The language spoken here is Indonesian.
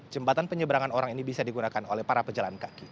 jembatan penyeberangan orang ini bisa digunakan oleh para pejalan kaki